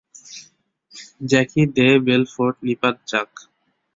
Jackie de Belfort নিপাত যাক!